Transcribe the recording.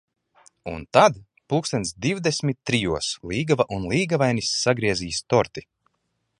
Un tad, pulkstens divdesmit trijos, līgava un līgavainis sagriezīs torti.